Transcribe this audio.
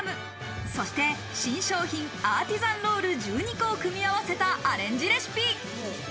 そして新商品アーティザンロール１２個を組み合わせたアレンジレシピ。